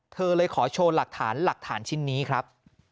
เธอเลยขอโชว์หลักฐานหลักฐานชิ้นนี้ครับ